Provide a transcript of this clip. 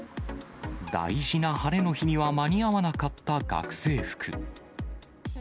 大事な晴れの日には、間に合わなかった学生服。